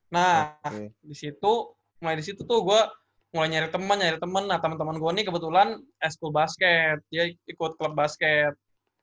nah disitu mulai disitu tuh gue mulai nyari temen nyari temen nah temen temen gue nih kebetulan s school basket dia ikut klub basket